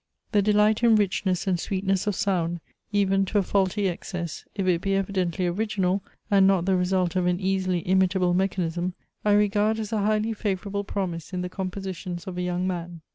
The delight in richness and sweetness of sound, even to a faulty excess, if it be evidently original, and not the result of an easily imitable mechanism, I regard as a highly favourable promise in the compositions of a young man.